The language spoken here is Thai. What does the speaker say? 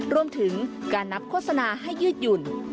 รวมถึงการนับโฆษณาให้ยืดหยุ่น